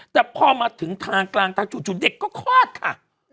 แต่พอมาถึงทางกลางทางจู่เด็กก็คลอดค่ะ